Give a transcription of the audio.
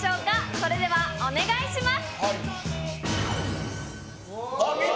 それではお願いします。